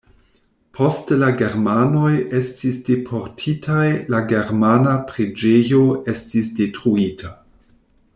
Poste la germanoj estis deportitaj, la germana preĝejo estis detruita.